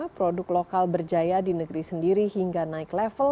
produk lokal berjaya di negeri sendiri hingga naik level